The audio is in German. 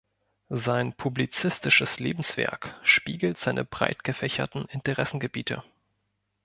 Sein publizistisches Lebenswerk spiegelt seine breitgefächerten Interessengebiete.